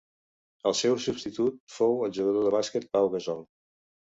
El seu substitut fou el jugador de bàsquet Pau Gasol.